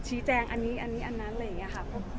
อันนี้ไม่ได้เป็นปัจจัยสำหรับพี่เพราะว่าพี่ทำงานตั้งแต่เด็กอยู่แล้ว